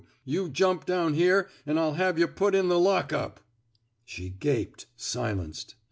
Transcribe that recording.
You jump down here an* I'll have yuh put in the lock up!'' She gaped, silenced.